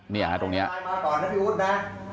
ท่านก็ยังไปมาต่อนะพี่อุ๋ฏนะ